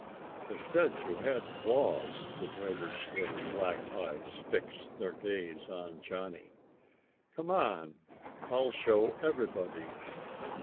"They said you had claws." The trader's little black eyes fixed their gaze on Johnny. "Come on, I'll show everybody."